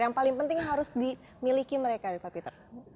yang paling penting harus dimiliki mereka pak peter